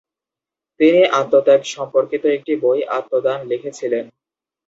তিনি আত্মত্যাগ সম্পর্কিত একটি বই "আত্মদান" লিখেছিলেন ।